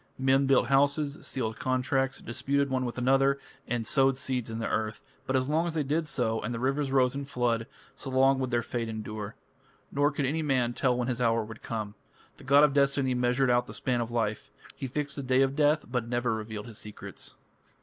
Men built houses, sealed contracts, disputed one with another, and sowed seeds in the earth, but as long as they did so and the rivers rose in flood, so long would their fate endure. Nor could any man tell when his hour would come. The god of destiny measured out the span of life: he fixed the day of death, but never revealed his secrets.